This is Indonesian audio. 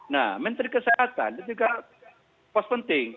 nah menteri kesehatan itu juga pos penting